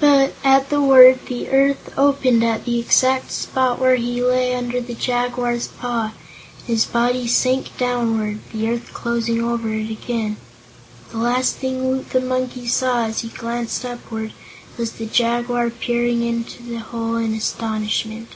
But, at the word, the earth opened at the exact spot where he lay under the Jaguar's paw, and his body sank downward, the earth closing over it again. The last thing Woot the Monkey saw, as he glanced upward, was the Jaguar peering into the hole in astonishment.